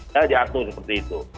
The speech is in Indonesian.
ya diatur seperti itu